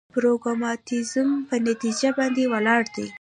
پراګماتيزم په نتيجه باندې ولاړ دی.